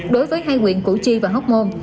đối với hai quyền củ chi và hóc môn